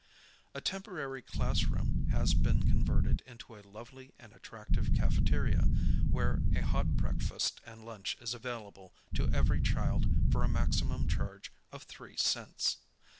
A temporar>' classroom has been converted into a lovely and attrac tive cafeteria, where a hot breakfast and lunch is available to every child for a maximum charge of three cents.